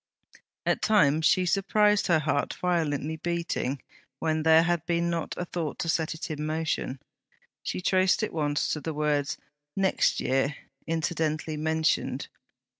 At times she surprised her heart violently beating when there had not been a thought to set it in motion. She traced it once to the words, 'next year,' incidentally mentioned.